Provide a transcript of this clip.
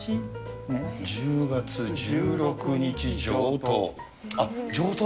１０月１６日上棟。